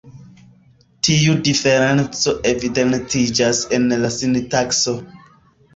Tiu diferenco evidentiĝas en la sintakso.